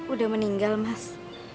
udah meninggal mas